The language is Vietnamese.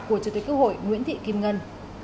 của chủ tịch quốc hội nguyễn thị kim ngân